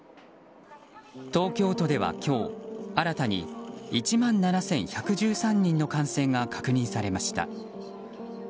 東京都では今日新たに１万７１１３人の感染が確認されました。